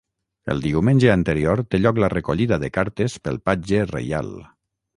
El diumenge anterior té lloc la recollida de cartes pel patge reial.